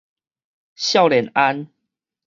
少年安